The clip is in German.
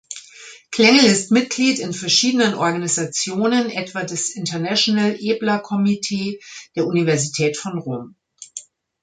Klengel ist Mitglied in verschiedenen Organisationen etwa des "International Ebla-Committee" der Universität von Rom.